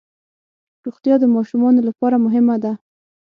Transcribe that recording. روغتیا د ماشومانو لپاره مهمه ده.